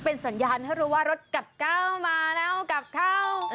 เป็นสัญญาณให้รู้ว่ารถกลับก้าวมาแล้วกลับเข้า